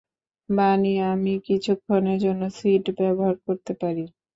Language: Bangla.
বানি, আমি কিছুক্ষণের জন্য সিট ব্যবহার করতে পারি?